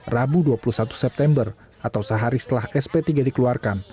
rabu dua puluh satu september atau sehari setelah sp tiga dikeluarkan